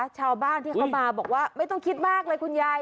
ชาวบ้านที่เขามาบอกว่าไม่ต้องคิดมากเลยคุณยาย